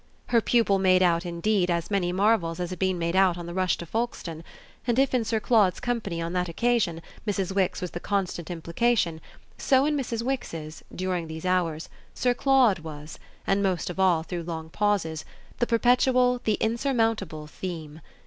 Her pupil made out indeed as many marvels as she had made out on the rush to Folkestone; and if in Sir Claude's company on that occasion Mrs. Wix was the constant implication, so in Mrs. Wix's, during these hours, Sir Claude was and most of all through long pauses the perpetual, the insurmountable theme.